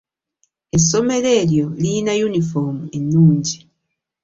Essomero eryo liyina yunifomu ennungi.